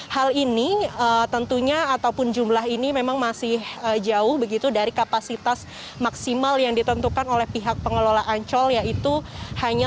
hal ini tentunya ataupun jumlah ini memang masih jauh begitu dari kapasitas maksimal yang ditentukan oleh pihak pengelola ancol yaitu hanya